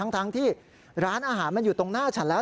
ทั้งที่ร้านอาหารมันอยู่ตรงหน้าฉันแล้ว